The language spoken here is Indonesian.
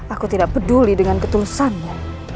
aku tidak peduli dengan ketulusannya